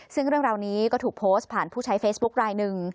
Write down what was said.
ซึ่งเรื่องราวนี้ก็ถูกโพสต์ผ่านผู้ใช้เฟซบุ๊คลายหนึ่ง